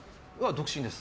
独身です。